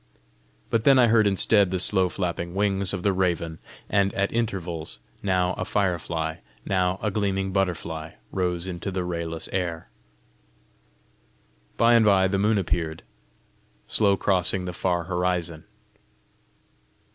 But then I heard instead the slow flapping wings of the raven; and, at intervals, now a firefly, now a gleaming butterfly rose into the rayless air. By and by the moon appeared, slow crossing the far horizon.